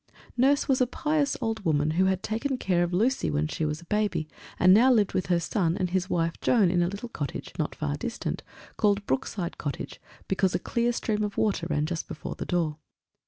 Nurse was a pious old woman, who had taken care of Lucy when she was a baby, and now lived with her son and his wife Joan in a little cottage not far distant, called Brookside Cottage, because a clear stream of water ran just before the door.